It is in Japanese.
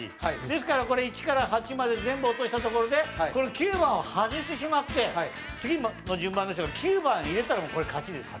ですからこれ１から８まで全部落としたところでこの９番を外してしまって次の順番の人が９番入れたらもうこれ勝ちです。